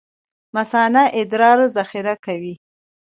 مثانه ادرار ذخیره کوي